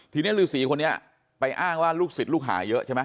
ทีนี้ฤษีคนนี้ไปอ้างว่าลูกศิษย์ลูกหาเยอะใช่ไหม